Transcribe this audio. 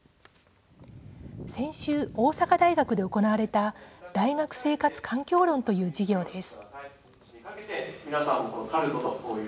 先週、大阪大学で行われた大学生活環境論という授業です。